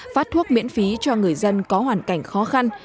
phát thuốc miễn phí cho người dân có hoàn cảnh khó khăn